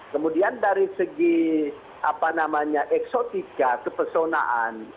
kemudian dari segi apa namanya eksotika kepesonaan